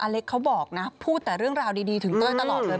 เล็กเขาบอกนะพูดแต่เรื่องราวดีถึงเต้ยตลอดเลย